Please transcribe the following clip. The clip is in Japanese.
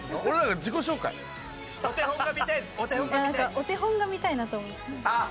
お手本が見たいなと思って。